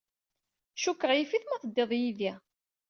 Cukkeɣ yif-it ma teddiḍ yid-i.